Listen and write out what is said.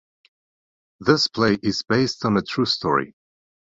This play is based on a true story.